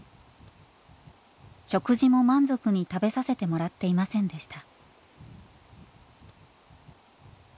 食事も満足に食べさせてもらっていませんでした。